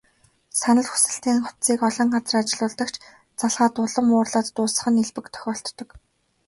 Санал хүсэлтийн утсыг олон газар ажиллуулдаг ч, залгаад улам уурлаад дуусах нь элбэг тохиолддог.